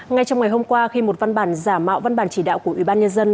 ngay trong ngày hôm qua khi một văn bản giả mạo văn bản chỉ đạo của ủy ban nhân dân